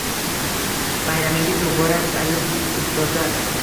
Bayramingiz muborak, aziz ustozlar!